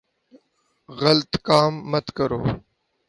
غلط کام مت کرو ـ